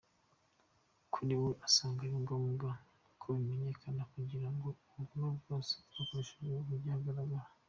Kuri we asanga ari ngombwa ko bimenyekana kugira ngo ubugome bwose bwakoreshejwe bujye ahagaragara.